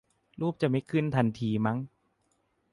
รูปจะไม่ขึ้นทันทีมั้ง